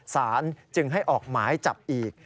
สารจึงให้ออกหมายจับอีก